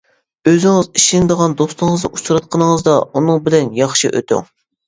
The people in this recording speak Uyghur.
ئۆزىڭىز ئىشىنىدىغان دوستىڭىزنى ئۇچراتقىنىڭىزدا، ئۇنىڭ بىلەن ياخشى ئۇتۇڭ.